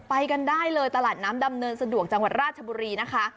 ไปกันได้เลยตลาดน้ำดำเนินสะดวกจังหวัดราชบุรีนะคะ